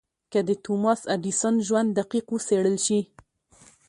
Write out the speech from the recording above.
که د توماس ايډېسن ژوند دقيق وڅېړل شي.